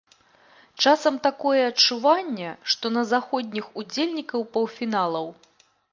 Часам такое адчуванне, што на заходніх удзельнікаў паўфіналаў.